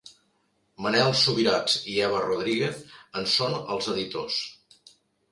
Manel Subirats i Eva Rodríguez en són els editors.